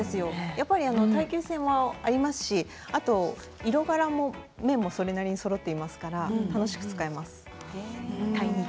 耐久性もありますしあと色柄も綿も、それなりにそろっていますから楽しく使えます。